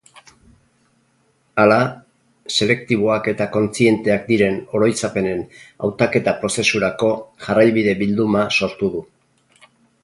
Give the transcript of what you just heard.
Hala, selektiboak eta kontzienteak diren oroitzapenen hautaketa-prozesurako jarraibide-bilduma sortu du.